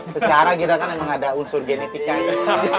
secara gila kan emang ada unsur genetik aja